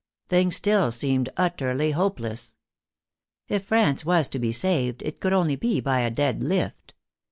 Things still seemed utterly hopeless. If France was to be saved it could only be by a dead lift.